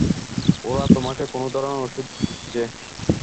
ওরা তোমাকে কোন ধরনের ঔষধ দিচ্ছে?